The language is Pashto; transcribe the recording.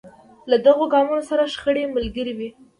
له دغو ګامونو سره شخړې ملګرې وې.